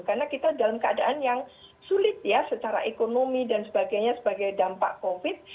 karena kita dalam keadaan yang sulit ya secara ekonomi dan sebagainya sebagai dampak covid